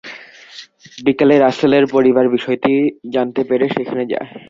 বিকেলে রাসেলের পরিবার বিষয়টি জানতে পেরে সেখানে যায়।